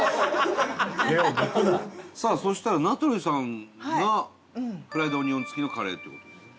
さあそしたら名取さんがフライドオニオン付きのカレーって事ですよね。